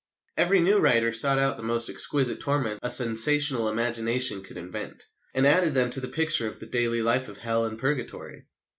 Every new writer sought out the most exquisite torments a sensational imagination could invent, and added them to the picture of the daily life of Hell and Purgatory.